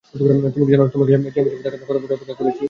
তুমি কি জানো তোমাকে জিএম হিসেবে দেখার জন্য কত বছর ধরে অপেক্ষা করছি?